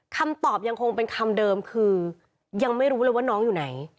คำตอบยังคงเป็นคำเดิมคือยังไม่รู้เลยว่าน้องอยู่ไหน